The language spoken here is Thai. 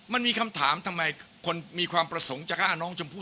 มันมีคำถามทำไมคนมีความประสงค์จะฆ่าน้องชมพู่